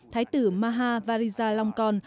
thái tử mahavajiralongkorn